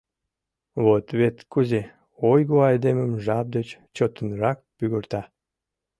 — Вот вет кузе, ойго айдемым жап деч чотынрак пӱгырта.